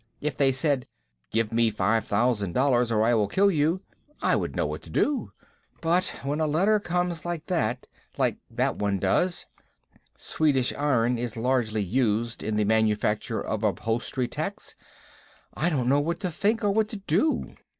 If they said, 'Give me five thousand dollars or I will kill you,' I would know what to do, but when a letter comes that says, like that one does, 'Swedish iron is largely used in the manufacture of upholstery tacks,' I don't know what to think or what to do."